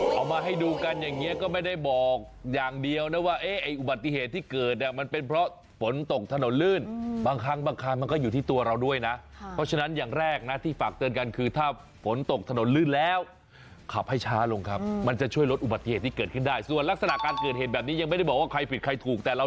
เอามาให้ดูกันอย่างนี้ก็ไม่ได้บอกอย่างเดียวนะว่าเอ๊ะไอ้อุบัติเหตุที่เกิดเนี่ยมันเป็นเพราะฝนตกถนนลื่นบางครั้งบางครั้งมันก็อยู่ที่ตัวเราด้วยนะเพราะฉะนั้นอย่างแรกนะที่ฝากเตือนกันคือถ้าฝนตกถนนลื่นแล้วขับให้ช้าลงครับมันจะช่วยลดอุบัติเหตุที่เกิดขึ้นได้ส่วนลักษณะการเกิดเหตุแบบนี้ยังไม่ได้บอกว่าใครผิดใครถูกแต่เรา